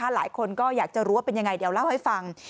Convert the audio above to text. หลายคนก็อยากจะรู้ว่าเป็นยังไงเดี๋ยวเล่าให้ฟัง